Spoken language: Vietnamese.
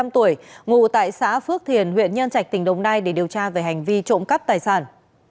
một mươi năm tuổi ngụ tại xã phước thiền huyện nhân trạch tỉnh đồng nai để điều tra về hành vi trộm cắp tài sản